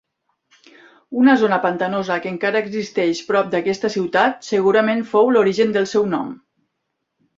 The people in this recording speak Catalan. Una zona pantanosa que encara existeix prop d'aquesta ciutat segurament fou l'origen del seu nom.